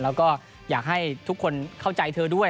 แล้วก็อยากให้ทุกคนเข้าใจเธอด้วย